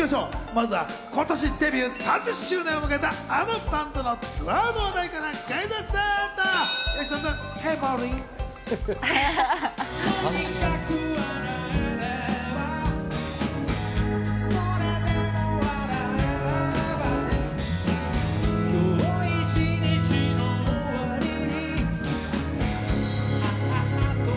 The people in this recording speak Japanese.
まずは今年デビュー３０周年を迎えた、あのバンドのツアーの話題からクイズッスっと。